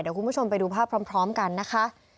เดี๋ยวคุณผู้ชมไปดูภาพพร้อมกันนะคะ